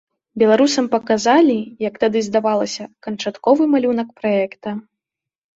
Беларусам паказалі, як тады здавалася, канчатковы малюнак праекта.